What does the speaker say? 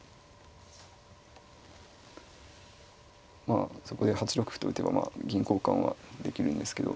まあそこで８六歩と打てば銀交換はできるんですけど。